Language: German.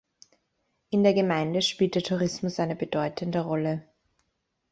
In der Gemeinde spielt der Tourismus eine bedeutende Rolle.